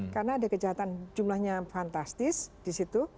karena ada kejahatan jumlahnya fantastis disitu